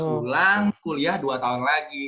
pulang kuliah dua tahun lagi